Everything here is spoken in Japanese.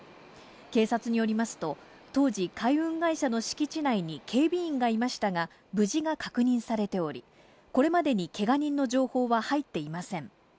警察によりますと当時、海運会社の敷地内に警備員がいましたが、無事が確認されており、これまでに、けが人の情報は入っていません。